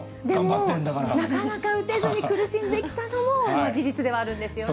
でもなかなか打てずに苦しんできたのも事実ではあるんですよね。